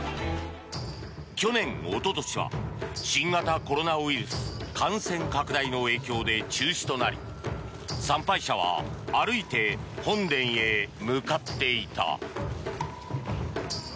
去年、おととしは新型コロナウイルス感染拡大の影響で中止となり参拝者は歩いて本殿へ向かっていた。